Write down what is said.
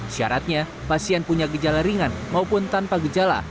syaratnya pasien punya gejala ringan maupun tanpa gejala